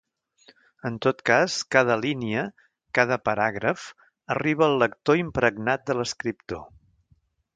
En tot cas, cada línia, cada paràgraf arriba al lector impregnat de l’escriptor.